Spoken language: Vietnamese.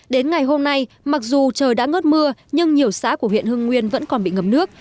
đến ngày hôm nay mặc dù trời đã ngớt mưa nhưng nhiều xã của huyện hưng nguyên vẫn còn bị ngập nước